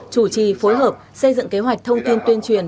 chủ trì phối hợp xây dựng kế hoạch thông tin tuyên truyền